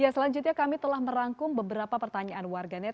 selanjutnya kami telah merangkum beberapa pertanyaan warganet